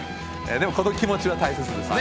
でもこの気持ちは大切ですね。